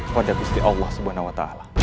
pada gusti allah swt